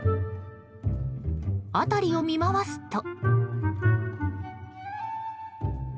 辺りを見回すと。